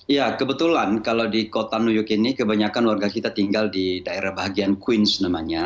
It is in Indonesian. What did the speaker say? ya kebetulan kalau di kota new york ini kebanyakan warga kita tinggal di daerah bahagian queens namanya